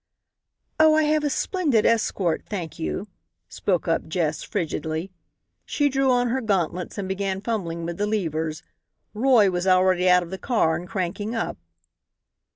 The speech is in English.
"Oh, I have a splendid escort, thank you," spoke up Jess, frigidly. She drew on her gauntlets and began fumbling with the levers. Roy was already out of the car and cranking up.